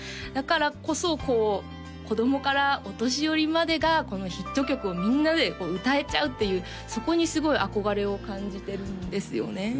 だからこそこう子供からお年寄りまでがこのヒット曲をみんなで歌えちゃうっていうそこにすごい憧れを感じてるんですよね